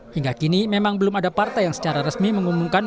hingga kini memang belum ada partai yang secara resmi mengumumkan